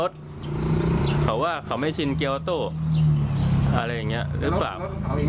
ก็จะบอกว่าเหมือนกับเขาไม่ชินเกลียวออโต้อะไรอย่างเงี่ยเรียบปราบ